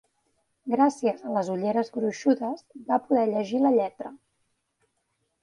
Gràcies a les ulleres gruixudes va poder llegir la lletra.